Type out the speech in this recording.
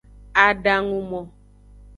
Adangumo.